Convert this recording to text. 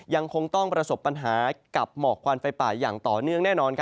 ยังคงต้องประสบปัญหากับหมอกควันไฟป่าอย่างต่อเนื่องแน่นอน